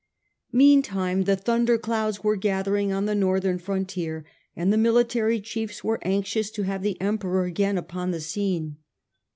Meantime the thunder clouds were gathering on the northern frontier, and the military chiefs were anxious to have the Emperor again upon the scene.